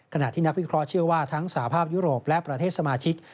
ขณะที่นักวิเคราะห์เชื่อว่าทั้งสาภาพยุโรปและประเทศสมาชิก